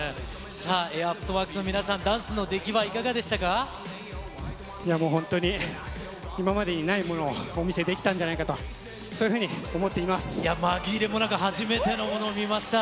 ＡＩＲＦＯＯＴＷＯＲＫＳの皆さん、ダンスの出来はいかいやもう、本当に今までにないものをお見せできたんじゃないかと、そういうまぎれもなく初めてのものを見ました。